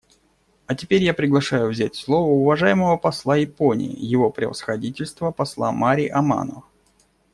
А теперь я приглашаю взять слово уважаемого посла Японии — Его Превосходительство посла Мари Амано.